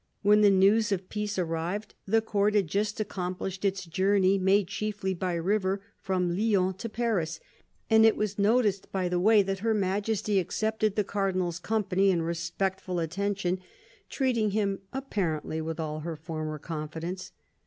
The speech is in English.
When the news of peace arrived, the Court had just accompUshed its journey, made chiefly by river, from Lyons to Paris, and it was noticed by the way that Her Majesty accepted the Cardinal's company and respectful attention, treating him, apparently, with all her former confidence.